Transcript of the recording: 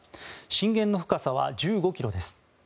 震源の深さは１５ｋｍです。